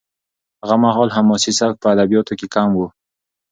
هغه مهال حماسي سبک په ادبیاتو کې کم و.